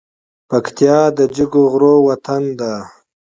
پکتیا د جګو غرو وطن ده .